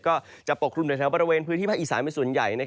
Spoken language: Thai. ก็จะปกคลุมในแถวบริเวณพื้นที่ภาคอีสานเป็นส่วนใหญ่